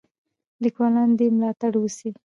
لیکوالان دې ملاتړ وسي.